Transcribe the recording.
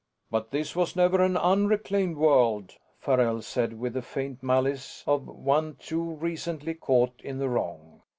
"But this was never an unreclaimed world," Farrell said with the faint malice of one too recently caught in the wrong.